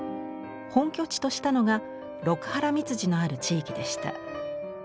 本拠地としたのが六波羅蜜寺のある地域でした。